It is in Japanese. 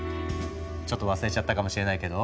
ちょっと忘れちゃったかもしれないけど